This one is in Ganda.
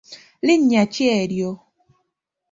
Linnya ki eryo?